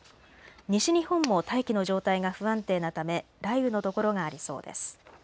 西日本も大気の状態が不安定なため雷雨の所がありそうです。